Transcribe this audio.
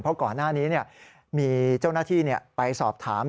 เพราะก่อนหน้านี้มีเจ้าหน้าที่ไปสอบถาม